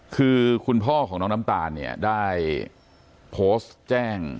คือคุณพ่อของน้องน้ำตาลเนี่ยได้โพสต์แจ้ง